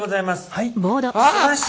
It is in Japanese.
はい。